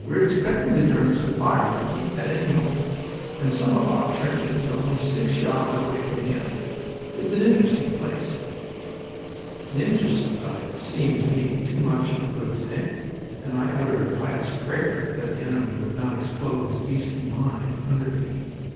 We're expecting the Germans to fire one at any moment, and some of our trenches are only six yards away from the enemy. It's an interesting place." The interest of it seemed to me too much of a good thing, and I uttered a pious prayer that the enemy would not explode his beastly mine under me.